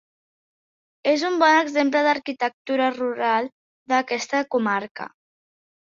És un bon exemple d'arquitectura rural d'aquesta comarca.